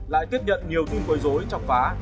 lại tiếp nhận nhiều tin côi dối chọc phá